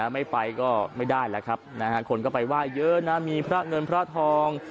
ไม่ไปก็ไม่ได้แล้วครับคนก็ไปไหว้เยอะนะมีพระเงินพระทอง